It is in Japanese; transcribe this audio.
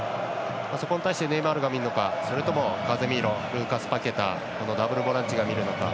そこに対してネイマールが見るのかそれともカゼミーロルーカス・パケタこのダブルボランチが見るのか。